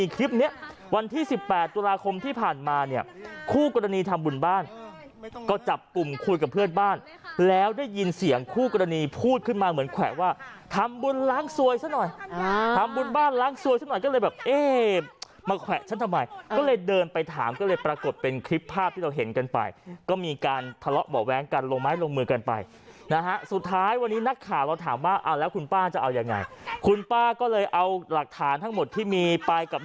คู่กรณีพูดขึ้นมาเหมือนแขวะว่าทำบุญล้างสวยซะหน่อยอ่าทำบุญบ้านล้างสวยซะหน่อยก็เลยแบบเอ้มมาแขวะฉันทำไมก็เลยเดินไปถามก็เลยปรากฏเป็นคลิปภาพที่เราเห็นกันไปก็มีการทะเลาะบ่อแว้งกันลงไม้ลงมือกันไปนะฮะสุดท้ายวันนี้นักข่าวเราถามว่าเอาแล้วคุณป้าจะเอายังไงคุณป้าก็เลยเอาหลักฐานทั้งหมดที่มีป